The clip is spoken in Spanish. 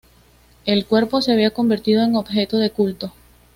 El cuerpo se había convertido en objeto de culto.